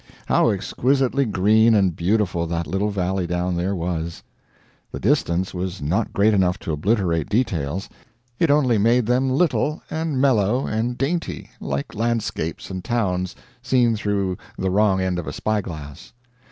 How exquisitely green and beautiful that little valley down there was! The distance was not great enough to obliterate details, it only made them little, and mellow, and dainty, like landscapes and towns seen through the wrong end of a spy glass.